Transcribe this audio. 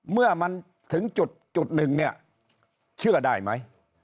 เมื่อมันถึงจุดหนึ่งเนี่ยเชื่อได้ไหม